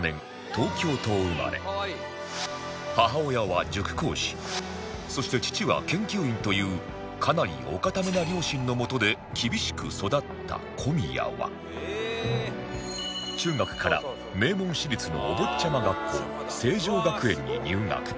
母親は塾講師そして父は研究員というかなりお堅めな両親のもとで厳しく育った小宮は中学から名門私立のお坊ちゃま学校成城学園に入学